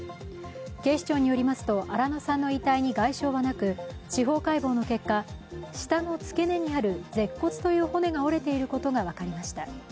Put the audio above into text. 警視庁によりますと新野さんの遺体に外傷はなく、司法解剖の結果、下のつけ根にある舌骨という骨が折れていることが分かりました。